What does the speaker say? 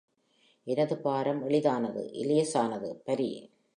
எனது பாரம் எளிதானது இலேசானது. பரி.